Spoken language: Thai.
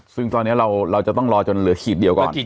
ซึ่งตอนนี้เราจะต้องรอจนเหลือขีดเดียวก่อน